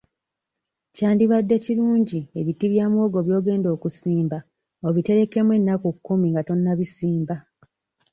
Kyandibadde kirungi ebiti bya muwogo by'ogenda okusimba obirekemu ennaku kkumi nga tonnabisimba.